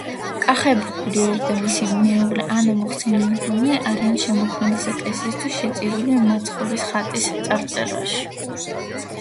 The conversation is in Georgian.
კახაბერ გურიელი და მისი მეუღლე ანა მოხსენიებულნი არიან შემოქმედის ეკლესიისთვის შეწირული მაცხოვრის ხატის წარწერაში.